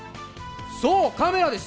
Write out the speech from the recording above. そうカメラです。